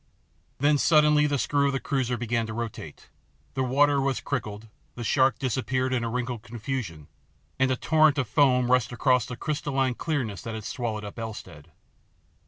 Then suddenly the screw of the cruiser began to rotate, the water was crickled, the shark disappeared in a wrinkled confusion, and a torrent of foam rushed across the crystalline clearness that had swallowed up Elstead.